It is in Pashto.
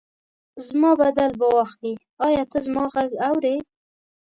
زما بدل به واخلي، ایا ته زما غږ اورې؟